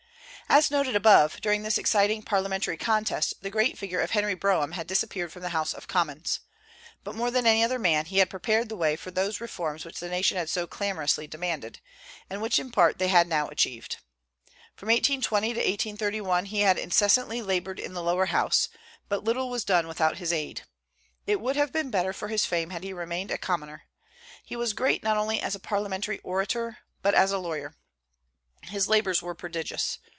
As noted above, during this exciting parliamentary contest the great figure of Henry Brougham had disappeared from the House of Commons; but more than any other man, he had prepared the way for those reforms which the nation had so clamorously demanded, and which in part they had now achieved. From 1820 to 1831 he had incessantly labored in the lower House, and but little was done without his aid. It would have been better for his fame had he remained a commoner. He was great not only as a parliamentary orator, but as a lawyer. His labors were prodigious.